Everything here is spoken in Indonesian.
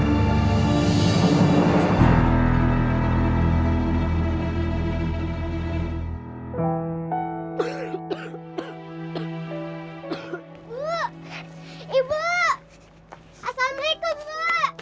bu ibu assalamualaikum bu